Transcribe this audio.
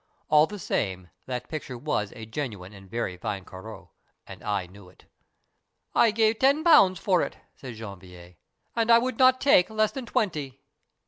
All the same, that picture was a genuine and very fine Corot, and I knew it. BURDON'S TOMB 107 "' I gave ten pounds for it,' said Janvier, ' and I would not take less than twenty.'